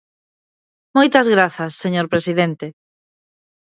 Moitas grazas, señor presidente.